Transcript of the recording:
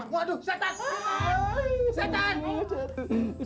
setan kesana malu beli kue